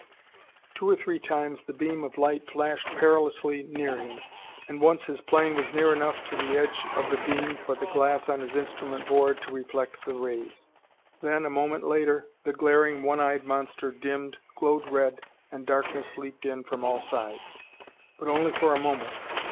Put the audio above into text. Two or three times the beam of light flashed perilously near him, and once his plane was near enough to the edge of the beam for the glass on his instrument board to reflect the rays. Then, a moment later, the glaring one eyed monster dimmed, glowed red, and darkness leaped in from all sides. But only for a moment.